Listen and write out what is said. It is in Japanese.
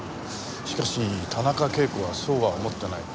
しかし田中啓子はそうは思ってない。